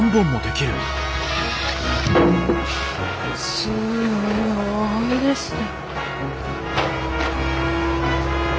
すごいですね。